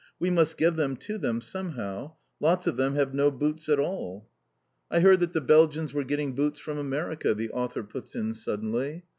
We must give them to them somehow. Lots of them have no boots at all!" "I heard that the Belgians were getting boots from America," the author puts in suddenly.